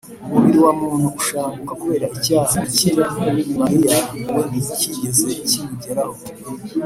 umubiri wa muntu ushanguka kubera icyaha. bikira mariya we ntikigeze kimugeraho